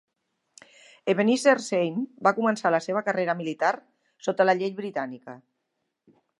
Ebenezer Zane va començar la seva carrera militar sota la llei britànica.